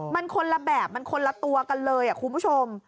มันคนละแบบมันคนละตัวกันเลยคุณผู้ชม